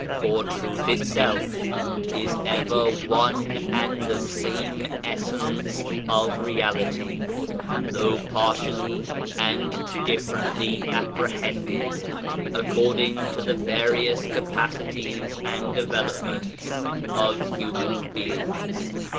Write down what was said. For truth itself is ever one and the same essence of Reality : though partially and differently appre hended, according to the various capacities and developments of human beings.